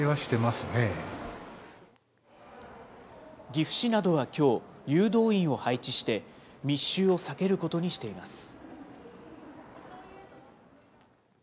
岐阜市などはきょう、誘導員を配置して、密集を避けることにしています。